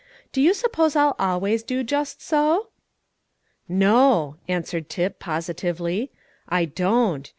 Do you suppose I'll always do just so?" "No," answered Tip positively, "I don't.